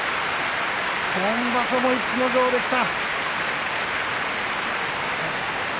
今場所も逸ノ城でした。